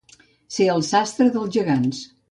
Ser el sastre dels gegants.